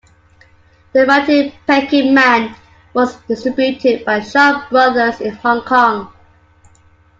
"The Mighty Peking Man" was distributed by Shaw Brothers in Hong Kong.